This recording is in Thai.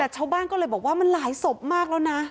ชาวบ้านก็เลยบอกว่ามันหลายศพมากแล้วนะ